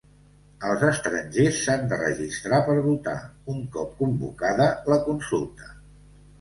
Els estrangers s'han de registrar per votar, un cop convocada la consulta.